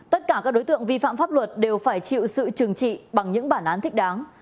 tất cả các đối tượng vi phạm pháp luật đều phải chịu sự trừng trị bằng những bản án thích đáng